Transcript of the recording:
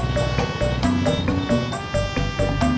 ntar siang beliin nasi padang ya bang